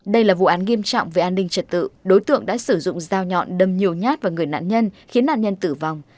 đây là vụ án nghiêm trọng về an ninh trật tự đối tượng đã sử dụng dao nhọn đâm nhiều nhát vào người nạn nhân khiến nạn nhân tử vong